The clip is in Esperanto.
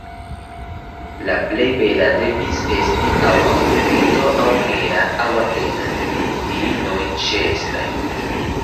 La plej bela devis esti aŭ Afrodito aŭ Hera aŭ Atena, diinoj ĉeestaj.